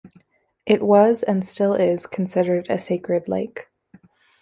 It was, and still is, considered a sacred lake.